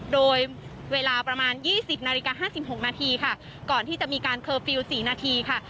โดยเวลาประมาณยี่สิบนาฬิกาห้าสิบหกนาทีค่ะก่อนที่จะมีการสี่นาทีค่ะ